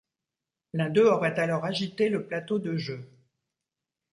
L'un d'eux aurait alors agité le plateau de jeu.